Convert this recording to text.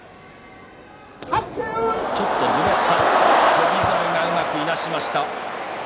翔猿、うまくいなしました。